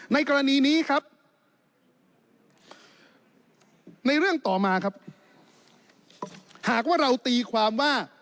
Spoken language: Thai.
ในกรณีนี้ครับในเรื่องต่อมาครับหากว่าเราตีความว่า